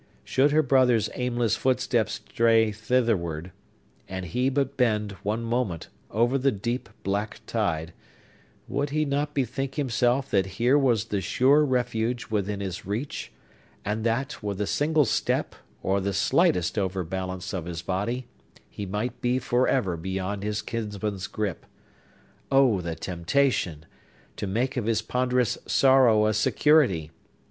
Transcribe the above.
Should her brother's aimless footsteps stray thitherward, and he but bend, one moment, over the deep, black tide, would he not bethink himself that here was the sure refuge within his reach, and that, with a single step, or the slightest overbalance of his body, he might be forever beyond his kinsman's gripe? Oh, the temptation! To make of his ponderous sorrow a security!